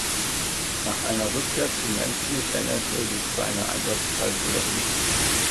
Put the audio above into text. Nach einer Rückkehr zu Mansfield änderte sich seine Einsatzzeit jedoch nicht.